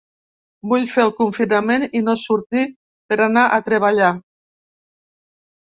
Vull fer el confinament i no sortir per anar a treballar.